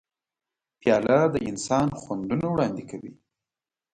پیاله د انسان خوندونه وړاندې کوي.